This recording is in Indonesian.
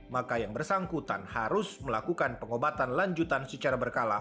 maka yang bersangkutan harus melakukan pengobatan lanjutan secara berkala